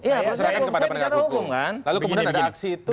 saya prosesnya di proses hukum lalu kemudian ada aksi itu